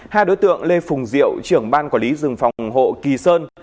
hai đối tượng lê phùng diệu trưởng ban quản lý rừng phòng hộ kỳ sơn